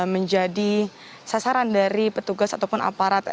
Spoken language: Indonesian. menjadi sasaran dari petugas ataupun aparat